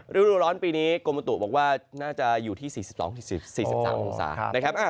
ฤดูร้อนปีนี้กรมตุบอกว่าน่าจะอยู่ที่๔๒๔๓องศานะครับ